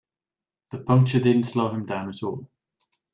The puncture didn't slow him down at all.